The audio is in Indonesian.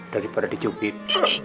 dari pada dicubit